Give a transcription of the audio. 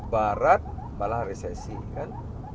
barat malah resesi kan